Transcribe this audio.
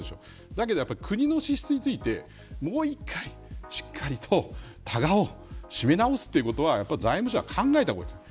だけど、国の支出についてもう一回しっかりとたがを締め直すということは財務省は考えた方がいいです。